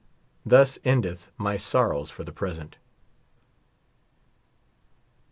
Thus endeth my sorrows for the present.